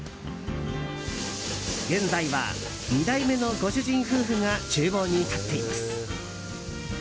現在は２代目のご主人夫婦が厨房に立っています。